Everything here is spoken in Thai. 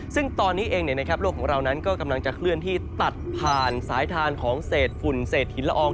ซึ่งตอนนี้เองโลกของเรานั้นก็กำลังจะเคลื่อนที่ตัดผ่านสายทานของเศษฝุ่นเศษหินละออง